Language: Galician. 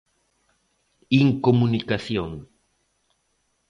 Incomunicación.